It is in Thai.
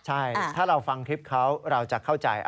ใช่ถ้าเราฟังคลิปเขาเราจะเข้าใจ